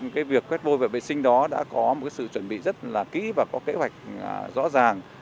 cái việc quét vôi về vệ sinh đó đã có một sự chuẩn bị rất là kỹ và có kế hoạch rõ ràng